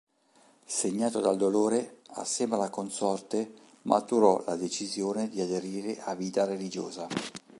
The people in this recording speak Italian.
Segnato dal dolore, assieme alla consorte maturò la decisione di aderire a vita religiosa.